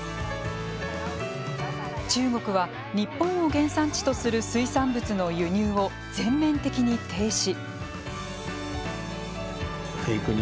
中国は、日本を原産地とする水産物の輸入を全面的に停止。